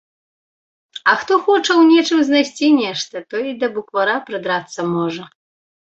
А хто хоча ў нечым знайсці нешта, той і да буквара прыдрацца можа.